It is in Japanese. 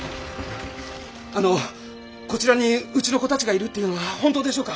あのこちらにうちの子たちがいるっていうのは本当でしょうか！？